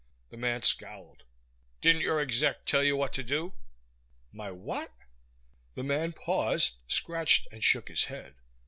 The man scowled. "Didn't your exec tell you what to do?" "My what?" The man paused, scratched and shook his head.